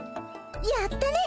やったね！